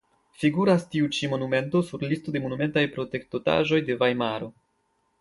Figuras tiu ĉi monumento sur listo de monumentaj protektotaĵoj de Vajmaro.